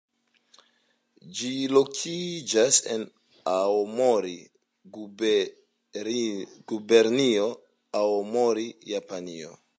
Ĝi lokiĝas en Aomori, Gubernio Aomori, Japanio.